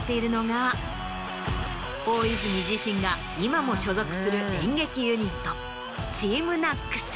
大泉自身が今も所属する演劇ユニット。